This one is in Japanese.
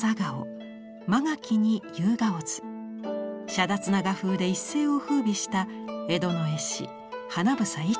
しゃだつな画風で一世をふうびした江戸の絵師英一蝶。